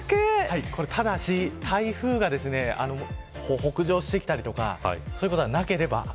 ただし、台風が北上してきたりとかそういうことがなければ。